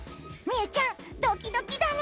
うちゃんドキドキだね。